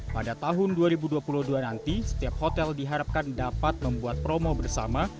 pada tahun dua ribu dua puluh dua nanti setiap hotel diharapkan dapat membuat promo bersama